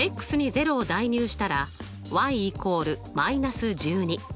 ０を代入したら＝−１２。